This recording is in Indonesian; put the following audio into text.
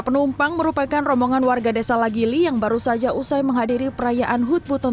penumpang merupakan rombongan warga desa lagili yang baru saja usai menghadiri perayaan hut buton